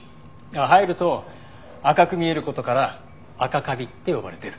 生えると赤く見える事からアカカビって呼ばれてる。